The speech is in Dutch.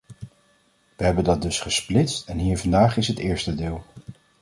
Wij hebben dat dus gesplitst en hier vandaag is het eerste deel.